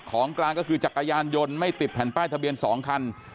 ของกลางก็คือจักรยานยนต์ไม่ติดแผ่นป้ายทะเบียน๒คัน